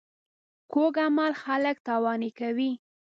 کوږ عمل خلک تاواني کوي